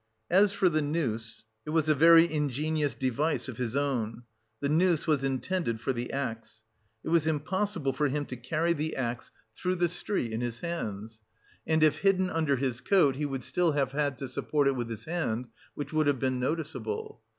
As for the noose, it was a very ingenious device of his own; the noose was intended for the axe. It was impossible for him to carry the axe through the street in his hands. And if hidden under his coat he would still have had to support it with his hand, which would have been noticeable.